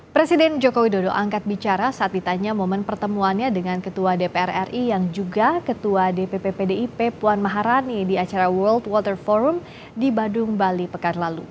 presiden jokowi dodo angkat bicara saat ditanya momen pertemuannya dengan ketua dpr ri yang juga ketua dpp pdip puan maharani di acara world water forum di badung bali pekan lalu